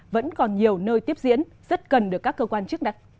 vẫn còn nhiều nơi tiếp diễn rất cần được các cơ quan chức đặt